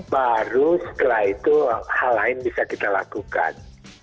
baru setelah itu hal lain bisa kita lakukan